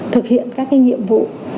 thực hiện các cái nhiệm vụ